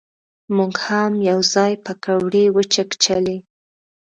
مونږ هم یو ځای پکوړې وچکچلې.